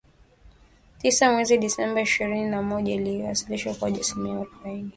tisa mwezi Disemba ishirini na moja ikiwasilisha ukuaji wa asilimia arubaini